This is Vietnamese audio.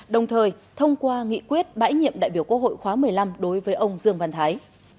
đồng thời thông qua nghị quyết bãi nhiệm đại biểu quốc hội khóa một mươi năm đối với ông dương văn thái